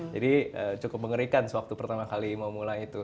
jadi cukup mengerikan waktu pertama kali memulai itu